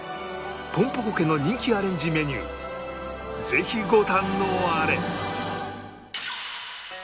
ぽんぽ娘家の人気アレンジメニューぜひご堪能あれ！